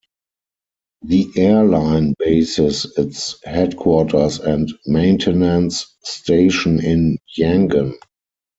The airline bases its headquarters and maintenance station in Yangon.